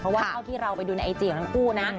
เพราะว่าเท่าที่เราไปดูในไอจีของทั้งคู่นะ